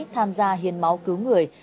tham gia hiến máu cứu người